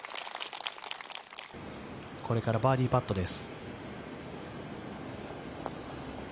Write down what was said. これからバーディーパットです。